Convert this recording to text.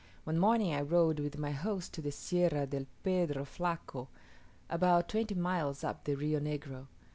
One morning I rode with my host to the Sierra del Pedro Flaco, about twenty miles up the Rio Negro.